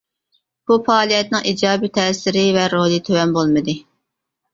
بۇ پائالىيەتنىڭ ئىجابىي تەسىرى ۋە رولى تۆۋەن بولمىدى.